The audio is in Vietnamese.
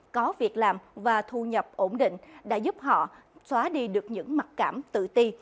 có việc làm và thu nhập ổn định đã giúp họ xóa đi được những mặc cảm tự ti